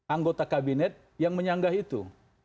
anggota kabinet yang menyanggah itu